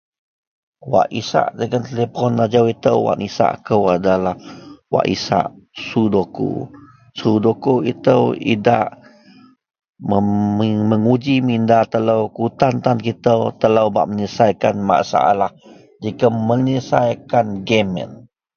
. Wak isak dagen telepon ajau itou wak nisak kou adalah wak isak soduku. Soduku itou idak mum men menguji minda telou kutan-tan gitou telou bak menyelesaikan masalah jegem menyelesaikan gem yen.